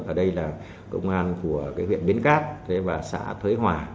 ở đây là công an của huyện bến cát và xã thuế hòa